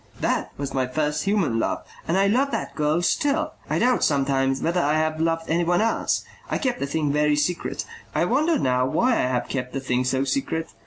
"That was my first human love. And I love that girl still. I doubt sometimes whether I have ever loved anyone else. I kept the thing very secret. I wonder now why I have kept the thing so secret.